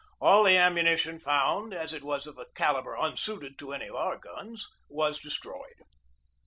All the ammunition found, as it was of a calibre unsuited to any of our guns, was destroyed.